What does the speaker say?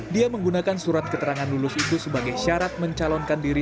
dia menggunakan surat keterangan lulus itu sebagai syarat mencalonkan diri